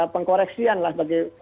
pengkoreksian lah bagi